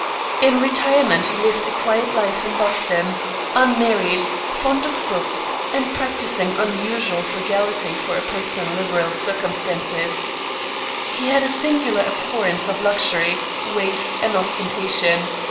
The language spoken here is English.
In retirement he lived a quiet life in Boston, unmarried, fond of books, and practicing unusual frugality for a person in liberal circumstances. He had a singular abhorrence of luxury, waste, and ostentation.